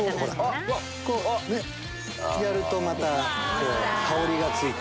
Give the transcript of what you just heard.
こうやるとまた香りがついて。